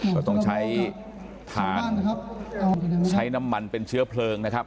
ก็ต้องใช้ทางใช้แบบน้ำมันเป็นเชื้อเผลิง